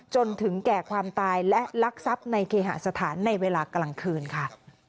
จนถึงแก่ความตายและลักทรัพย์ในเคหาสถานในเวลากลางคืนค่ะ